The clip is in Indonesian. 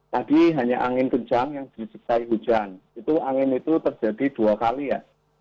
tadi hanya angin kencang yang diciptai hujan itu angin itu terjadi dua kali ya